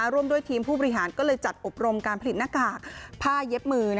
ร่วมด้วยทีมผู้บริหารก็เลยจัดอบรมการผลิตหน้ากากผ้าเย็บมือ